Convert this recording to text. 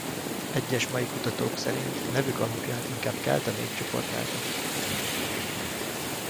Egyes mai kutatók szerint nevük alapján inkább kelta népcsoport lehetett.